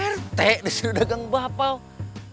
rt di sini dagang bapau